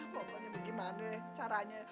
pokoknya gimana caranya